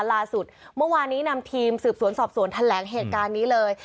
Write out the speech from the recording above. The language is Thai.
ล่าสุดเมื่อวานนี้นำทีมสืบสวนสอบสวนแถลงเหตุการณ์นี้เลย